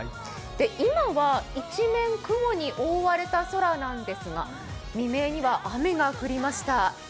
今は一面雲に覆われた空なんですが、未明には雨が降りました。